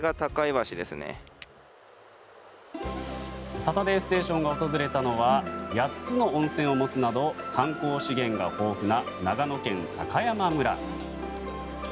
「サタデーステーション」が訪れたのは８つの温泉を持つなど観光資源が豊富な長野県高山村。